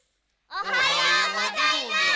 おはようございます！